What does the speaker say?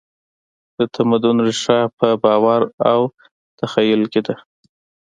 د تمدن ریښه په باور او تخیل کې ده.